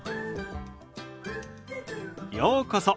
ようこそ。